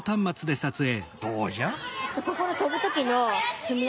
どうじゃ？